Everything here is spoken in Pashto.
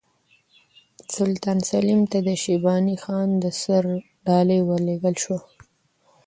سلطان سلیم ته د شیباني خان د سر ډالۍ ولېږل شوه.